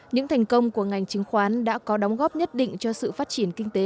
những thành công của ngành chứng khoán đã có đóng góp nhất định cho sự phát triển kinh tế